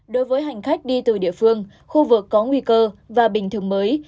đối với hành khách đi từ địa phương khu vực có nguy cơ và bình thường mới